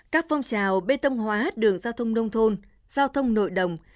các phong trào bê tông hóa đường giao thông nông thôn giao thông nội đồng